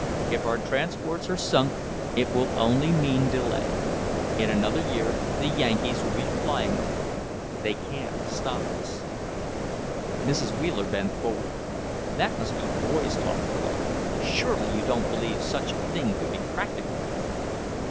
If our transports are sunk, it will only mean delay. In another year the Yankees will be flying over. They can't stop us." Mrs. Wheeler bent forward. "That must be boys' talk, Claude. Surely you don't believe such a thing could be practicable?"